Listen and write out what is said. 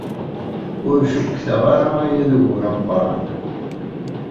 Ur cukkteɣ ara aya d ugur ameqran.